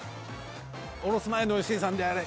下ろす前の吉井さんであれ。